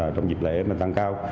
trong dịp lễ tăng cao